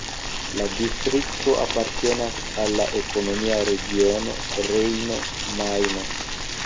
La distrikto apartenas al la ekonomia regiono Rejno-Majno.